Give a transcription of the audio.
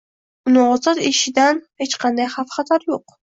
Uni ozod etilishidan hech qanday xavf xatar yo’q.